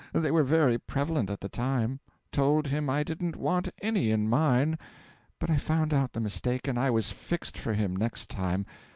They were very prevalent at the time. Told him I didn't want any in mine. But I found out the mistake, and I was fixed for him next time....